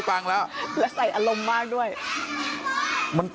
พะนุ่ม